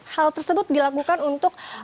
hal tersebut dilakukan untuk